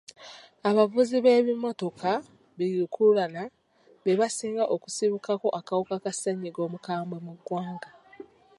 Abavuzi b'ebimmotoka bi lukululana be basinga okusibukako akawuka ka ssenyiga omukambwe mu ggwanga.